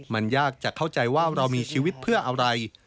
มันยากจะเข้าใจว่าเรามีชีวิตเพื่ออะไร